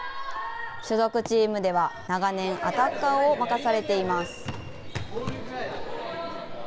所属チームでは長年、アタッカーを任されています。